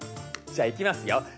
じゃあいきますよ。